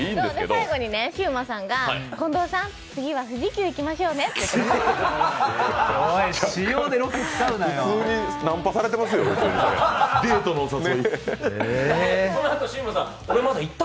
最後にシウマさんが近藤さん、次は富士急行きましょうねっていわれました。